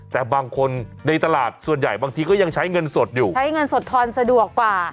แต่บางคนในตลาดส่วนใหญ่บางทีก็ยังใช้เงินสดอยู่ใช้เงินสดทอนสะดวกกว่า